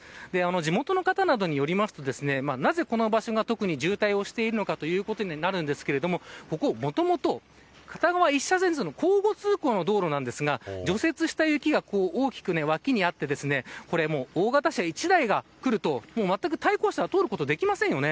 地元の方などによりますとなぜこの場所が特に渋滞しているのかということになるんですがここ、もともと片側一車線の交互通行の道路なんですが除雪した雪が大きく脇にあって大型車１台が来るとまったく対向車は通ることができませんよね。